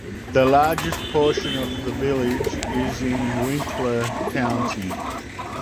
The largest portion of the village is in Winkler County.